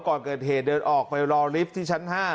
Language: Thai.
ก่อนเกิดเหตุเดินออกไปรอลิฟท์ที่ชั้น๕